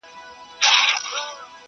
په دریاب کي پاڅېدل د اوبو غرونه،